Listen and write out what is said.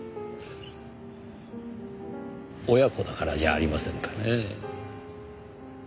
親子だからじゃありませんかねぇ。